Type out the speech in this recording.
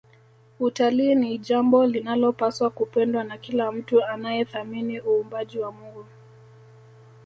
Utalii ni jambo linalopaswa kupendwa na kila mtu anayethamini uumbaji wa Mungu